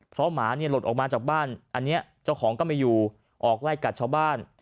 เพราะหมาเนี่ยหลุดออกมาจากบ้านอันนี้เจ้าของก็ไม่อยู่ออกไล่กัดชาวบ้าน